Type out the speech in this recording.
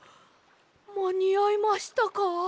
まにあいましたか？